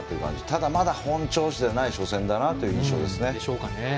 ただ、まだ本調子じゃない初戦だなという印象です。